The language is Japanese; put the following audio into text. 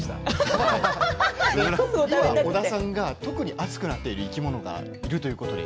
織田さんが特に熱くなっている生き物がいるということです。